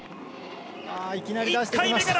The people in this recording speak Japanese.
いきなり出してきました。